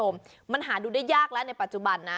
มันหาดูได้ยากแล้วในปัจจุบันนะ